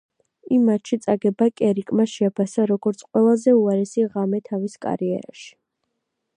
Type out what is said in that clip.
იმ მატჩში წაგება კერიკმა შეაფასა, როგორც ყველაზე უარესი ღამე თავის კარიერაში.